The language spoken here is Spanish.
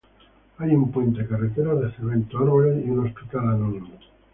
Hay un puente, carreteras de cemento, árboles y un hospital anónimo.